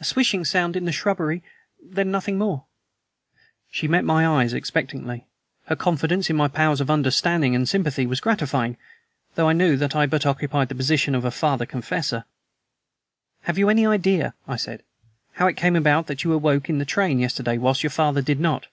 "A swishing sound in the shrubbery, then nothing more." She met my eyes expectantly. Her confidence in my powers of understanding and sympathy was gratifying, though I knew that I but occupied the position of a father confessor. "Have you any idea," I said, "how it came about that you awoke in the train yesterday whilst your father did not?"